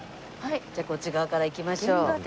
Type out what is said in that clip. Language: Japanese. じゃあこっち側から行きましょう。